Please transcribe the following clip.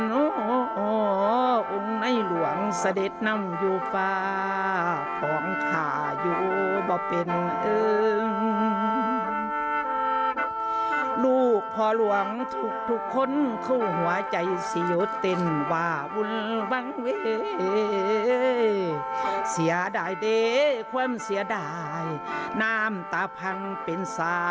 องค์ไน่ห่วงศด็ตหน้าวอยู่บ้านข้างข่ายู่บ้อยเป็น